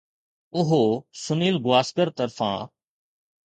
اهو سنيل گواسڪر طرفان